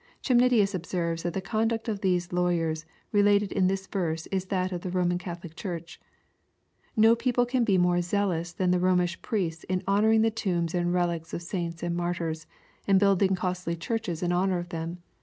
Chemnitius observes that the conduct of these lawyers related in this verse is tliat of the Roman Catholic Church. No people can be more zealous than the Romish priests in honoring the toraba and relics of saints and martyrs, and building costly churches in honor of them.